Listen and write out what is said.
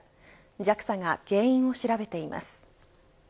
ＪＡＸＡが原因を調べています。